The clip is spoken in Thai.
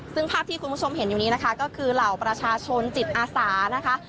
ซึ่งภาพที่คุณผู้ชมเห็นอยู่นี้นะคะก็คือเหล่าประชาชนจิตอาสานะคะ